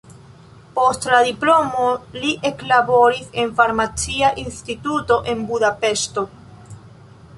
Post la diplomo li eklaboris en farmacia instituto en Budapeŝto.